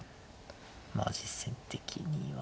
まあ実戦的には。